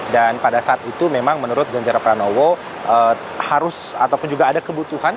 dan pada saat itu memang menurut ganjar pranowo harus ataupun juga ada kebutuhan